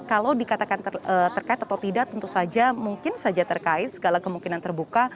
kalau dikatakan terkait atau tidak tentu saja mungkin saja terkait segala kemungkinan terbuka